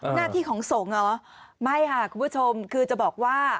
หน้าที่ของสงฆ์เหรอไม่ค่ะคุณผู้ชมคือจะบอกว่า